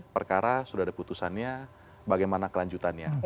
perkara sudah ada putusannya bagaimana kelanjutannya